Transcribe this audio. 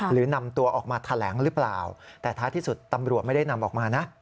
นำตัวออกมาแถลงหรือเปล่าแต่ท้ายที่สุดตำรวจไม่ได้นำออกมานะ